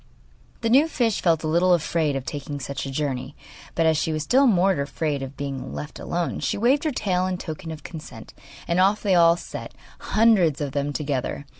The new fish felt a little afraid of taking such a journey; but as she was still more afraid of being left alone, she waved her tail in token of consent, and off they all set, hundreds of them together.